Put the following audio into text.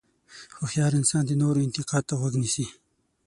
هوښیار انسان د نورو انتقاد ته غوږ نیسي.